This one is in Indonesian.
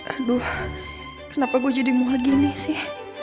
aduh kenapa gue jadi muha gini sih